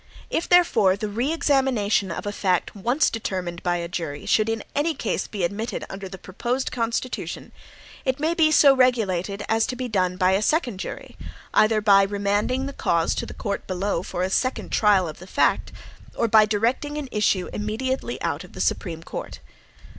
If, therefore, the re examination of a fact once determined by a jury, should in any case be admitted under the proposed Constitution, it may be so regulated as to be done by a second jury, either by remanding the cause to the court below for a second trial of the fact, or by directing an issue immediately out of the Supreme Court.